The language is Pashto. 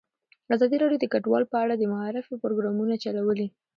ازادي راډیو د کډوال په اړه د معارفې پروګرامونه چلولي.